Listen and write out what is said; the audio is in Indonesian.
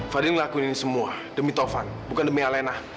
fadil ngelakuin ini semua demi taufan bukan demi alina